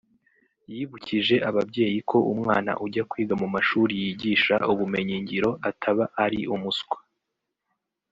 yibukije ababyeyi ko umwana ujya kwiga mu mashuri yigisha ubumenyingiro ataba ari umuswa